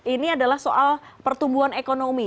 ini adalah soal pertumbuhan ekonomi